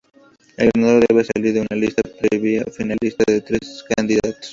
El ganador debe salir de una lista previa finalista de tres candidatos.